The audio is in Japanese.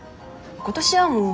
今年はもう。